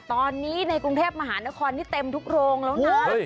ตอนนี้ในกรุงเทพมหานครนี่เต็มทุกโรงแล้วนะ